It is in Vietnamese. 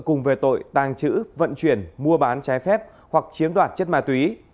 cùng về tội tàng trữ vận chuyển mua bán trái phép hoặc chiếm đoạt chất ma túy